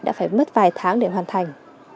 đã phải mất vài tháng để hoàn thành